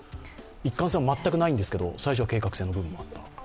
一貫性は全くないんですが、最初は計画性の部分もあった。